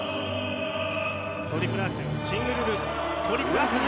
トリプルアクセルシングルループトリプル。